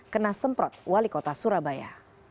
kena semprot wali kota surabaya